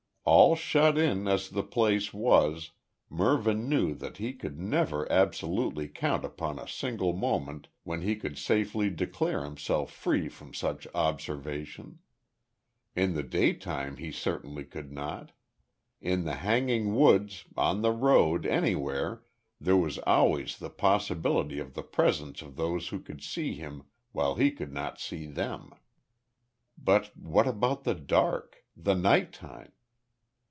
All shut in as the place was, Mervyn knew that he could never absolutely count upon a single moment when he could safely declare himself free from such observation. In the day time he certainly could not. In the hanging woods, on the road, anywhere, there was always the possibility of the presence of those who could see him while he could not see them. But what about the dark the night time?